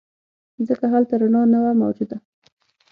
ځکه هلته رڼا نه وه موجوده.